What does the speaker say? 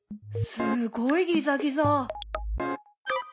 すごいギザギザ。